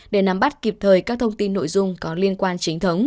để nắm bắt kịp thời các thông tin nội dung có liên quan chính thống